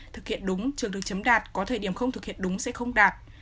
thực hiện đúng trường được chấm đạt có thời điểm không thực hiện đúng sẽ không đạt